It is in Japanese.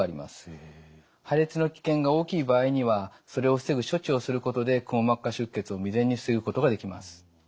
破裂の危険が大きい場合にはそれを防ぐ処置をすることでくも膜下出血を未然に防ぐことができます。